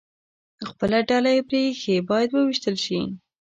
خپله ډله یې پرې ایښې، باید ووېشتل شي.